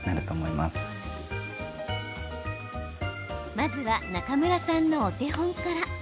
まずは中村さんのお手本から。